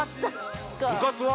部活は？